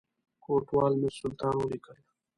کوټوال میرسلطان ولیکل.